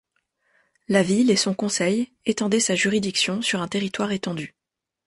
La ville et son conseil étendaient sa juridiction sur un territoire étendu.